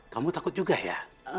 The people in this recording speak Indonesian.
kamu takut juga ya